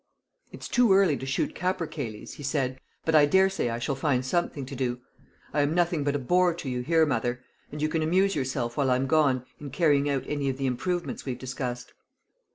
"It's too early to shoot capercailzies," he said; "but I daresay I shall find something to do. I am nothing but a bore to you here, mother; and you can amuse yourself, while I'm gone, in carrying out any of the improvements we've discussed."